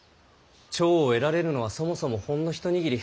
寵を得られるのはそもそもほんの一握り。